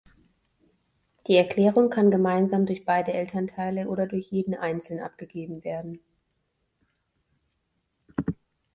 Die Erklärung kann gemeinsam durch beide Elternteile oder durch jeden einzeln abgegeben werden.